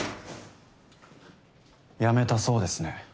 ・辞めたそうですね。